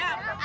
gak akan bau